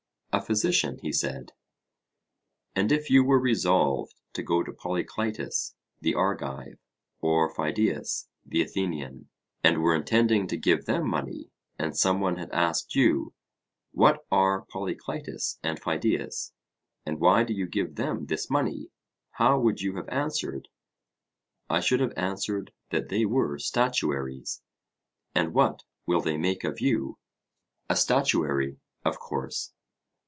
A physician, he said. And if you were resolved to go to Polycleitus the Argive, or Pheidias the Athenian, and were intending to give them money, and some one had asked you: What are Polycleitus and Pheidias? and why do you give them this money? how would you have answered? I should have answered, that they were statuaries. And what will they make of you? A statuary, of course.